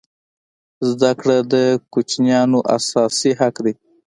زده کړه د کوچنیانو اساسي حق دی.